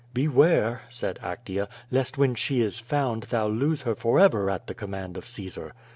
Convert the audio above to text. "Beware," said Actea, "lest when she is found thou lose her forever at the command of Caesar."